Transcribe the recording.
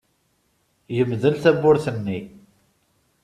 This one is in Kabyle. Yemdel tawwurt-nni.